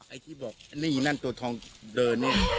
ไอ้ที่บอกไอ้นี่นั่นตัวทองเดินนี่